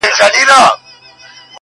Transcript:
د ځوانيمرگ د هر غزل په سترگو کي يم